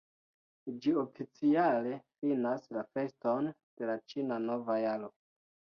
Ĝi oficiale finas la feston de la Ĉina Nova Jaro.